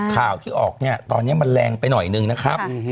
ข่าวที่ออกเนี่ยตอนนี้มันแรงไปหน่อยนึงนะครับ